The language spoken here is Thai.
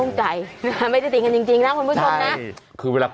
โอ้โหโอ้โห